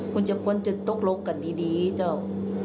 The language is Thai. คุณจะควรจะตกลงกันดีเจ้า